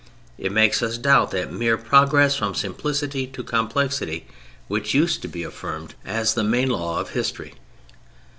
It makes us doubt that mere progress from simplicity to complexity which used to be affirmed as the main law of history.